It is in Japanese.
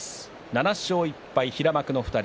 ７勝１敗、平幕の２人。